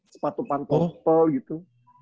sepatu pantut tol gitu